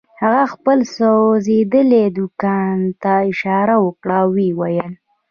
هغه خپل سوځېدلي دوکان ته اشاره وکړه او ويې ويل.